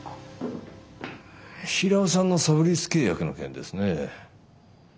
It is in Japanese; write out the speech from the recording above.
平尾さんのサブリース契約の件ですね。